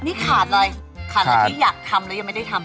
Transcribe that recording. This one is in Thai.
นี่ขาดเลยขาดอะไรที่อยากทำแล้วยังไม่ได้ทำ